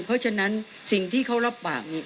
เพราะฉะนั้นสิ่งที่เขารับปากนี้